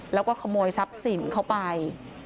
แล้วก็ขโมยทรัพย์สินเข้าไป